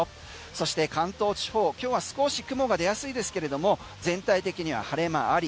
そして関東地方、今日は少し雲が出やすいですけれども全体的には晴れ間あり。